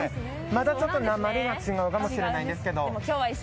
まだちょっとなまりが違うかもしれないですけど。